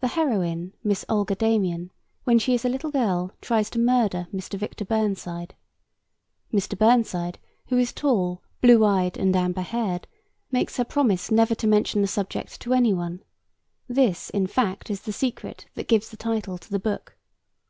The heroine, Miss Olga Damien, when she is a little girl tries to murder Mr. Victor Burnside. Mr. Burnside, who is tall, blue eyed and amber haired, makes her promise never to mention the subject to any one; this, in fact, is the secret that gives the title to the book.